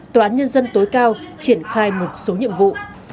tòa án nhân dân tối cao triển khai một số nhiệm vụ